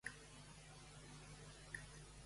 A què invita a l'Adelaida?